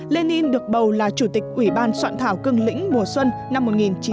lenin được bầu là chủ tịch ủy ban soạn thảo cương lĩnh mùa xuân năm một nghìn chín trăm hai mươi